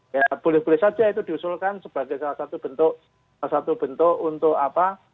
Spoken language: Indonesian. ya boleh boleh saja itu diusulkan sebagai salah satu bentuk salah satu bentuk untuk apa